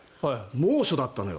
猛暑だったのよ。